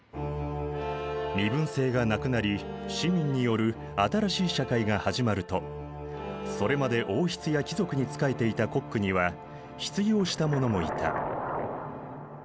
身分制がなくなり市民による新しい社会が始まるとそれまで王室や貴族に仕えていたコックには失業した者もいた。